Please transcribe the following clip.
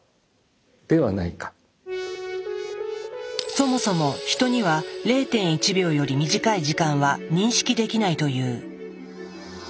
そもそもヒトには０．１秒より短い時間は認識できないという。